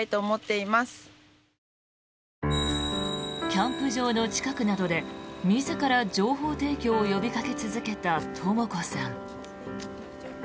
キャンプ場の近くなどで自ら情報提供を呼びかけ続けたとも子さん。